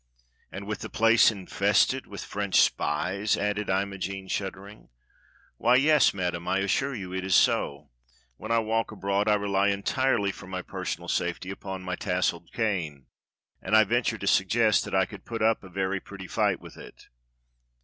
^" "And with the place infested with French spies.^" added Imogene, shuddering. "WTiy, yes. Madam, I assure you it is so. ^\lien I w^lk abroad I rely entirely for my personal safety upon my tasselled cane, and I venture to suggest that I could put up a very pretty fight with it."